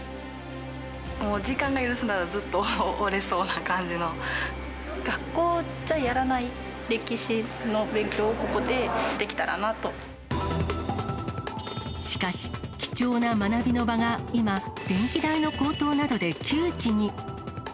もう時間が許すならずっとお学校じゃやらない歴史の勉強しかし、貴重な学びの場が今、電気代の高騰などで窮地に。